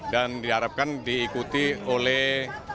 dan diharapkan diikuti oleh